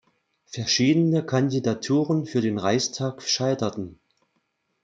Verschiedene Kandidaturen für den Reichstag scheiterten.